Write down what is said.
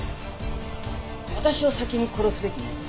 私を先に殺すべきね。